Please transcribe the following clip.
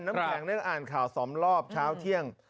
น้ำแข็งนี่ก็อ่านข่าวสองรอบเช้าเที่ยง